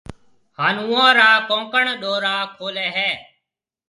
ھان اوئون را ڪونڪڻ ڏورا کوليَ ھيََََ